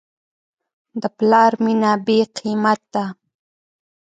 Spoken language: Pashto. د پلار مینه بېقیمت ده.